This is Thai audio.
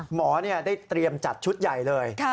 หมอได้เตรียมจัดชุดใหญ่เลย